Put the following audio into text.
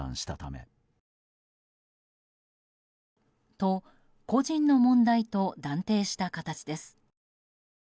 と、個人の問題と断定した形です。